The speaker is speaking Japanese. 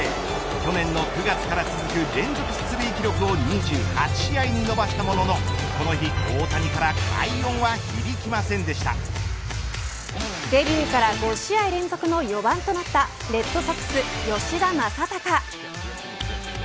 去年の９月から続く連続出塁記録を２８試合に伸ばしたもののこの日、大谷からデビューから５試合連続の４番となったレッドソックス、吉田正尚。